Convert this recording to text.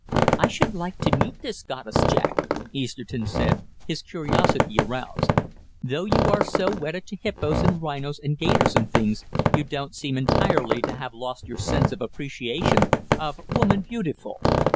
"I should like to meet this goddess, Jack," Easterton said, his curiosity aroused. "Though you are so wedded to hippos, and rhinos, and 'gators and things, you don't seem entirely to have lost your sense of appreciation of 'woman beautiful.'